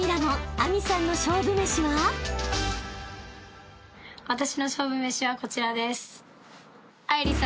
私の勝負めしはこちらです。